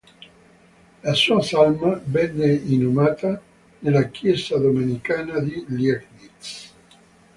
La sua salma venne inumata nella chiesa domenicana di Liegnitz.